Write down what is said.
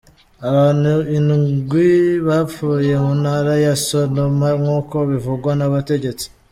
Abantu indwi bapfuye mu ntara ya Sonoma, nk'uko bivugwa n'abategetsi.